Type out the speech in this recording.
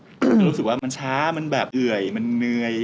คือรู้สึกว่ามันช้ามันแบบเอื่อยมันเหนื่อย